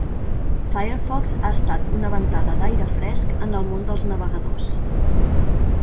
Firefox ha estat una ventada d'aire fresc en el món dels navegadors.